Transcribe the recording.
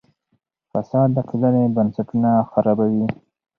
فساد د ټولنې بنسټونه خرابوي.